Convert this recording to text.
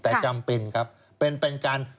แต่จำเป็นครับเป็นการ